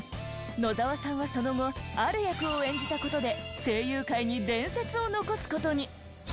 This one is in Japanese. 野沢さんはその後ある役を演じた事で声優界に伝説を残す事に。